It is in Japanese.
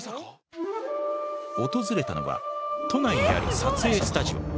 訪れたのは都内にある撮影スタジオ。